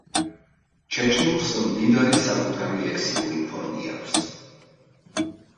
ჩეჩნურს მდიდარი საკუთარი ლექსიკური ფონდი აქვს.